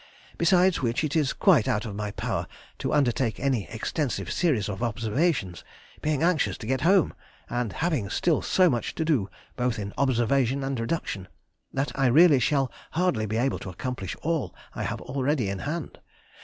Besides which it is quite out of my power to undertake any extensive series of observations, being anxious to get home, and having still so much to do, both in observation and reduction, that I really shall hardly be able to accomplish all I have already in hand.